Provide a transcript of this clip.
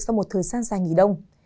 sau một thời gian dài nghỉ đông